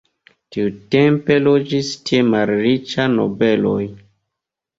Tiutempe loĝis tie malriĉaj nobeloj.